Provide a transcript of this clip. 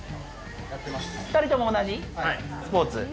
２人とも同じスポーツ？